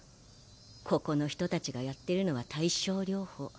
ここの人たちがやってるのは対症療法。